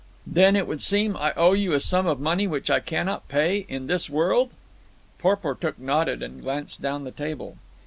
"Then it would seem I owe you a sum of money which I cannot pay ... in this world?" Porportuk nodded and glanced down the table.